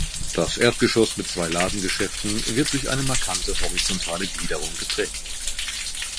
Das Erdgeschoss mit zwei Ladengeschäften wird durch eine markante horizontale Gliederung geprägt.